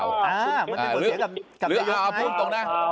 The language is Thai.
มันเป็นผลเสียกับหรือเอาพรุ่งตรงนะ